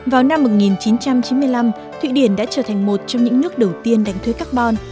vào năm một nghìn chín trăm chín mươi năm thụy điển đã trở thành một trong những nước đầu tiên đánh thuế carbon